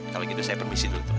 kalau gitu saya permisi dulu